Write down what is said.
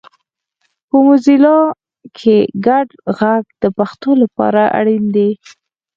په موزیلا کې ګډ غږ د پښتو لپاره اړین دی